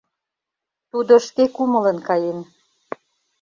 — Тудо шке кумылын каен.